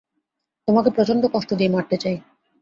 তোমাকে প্রচন্ড কষ্ট দিয়ে মারতে চাই।